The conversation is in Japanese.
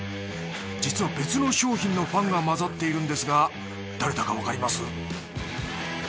実は別の商品のファンがまざっているんですが誰だかわかります？